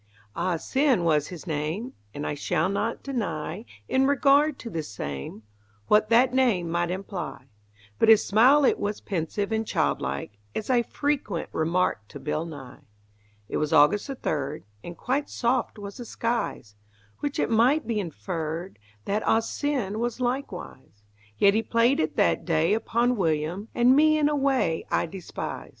Ah Sin was his name, And I shall not deny In regard to the same What that name might imply; But his smile it was pensive and childlike, As I frequent remarked to Bill Nye. It was August the third, And quite soft was the skies; Which it might be inferred That Ah Sin was likewise; Yet he played it that day upon William And me in a way I despise.